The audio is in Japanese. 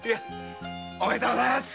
おめでとうございます。